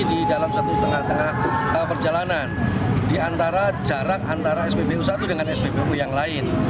di dalam satu tengah tengah perjalanan di antara jarak antara spbu satu dengan spbu yang lain